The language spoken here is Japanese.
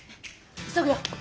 急ぐよ。